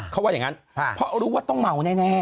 เขาว่าอย่างนั้นเพราะรู้ว่าต้องเมาแน่